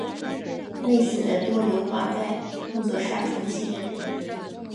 类似的多硫化钙用作杀虫剂。